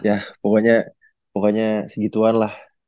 ya pokoknya segituan lah